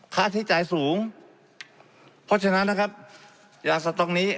ค่าใช้จ่ายสูงเพราะฉะนั้นนะครับยาสต๊อกนี้